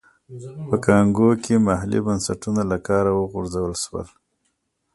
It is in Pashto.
په کانګو کې محلي بنسټونه له کاره وغورځول شول.